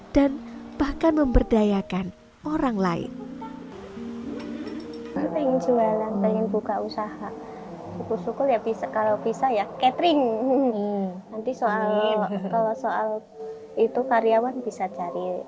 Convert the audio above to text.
dan bahkan memberdayakan diri mereka sendiri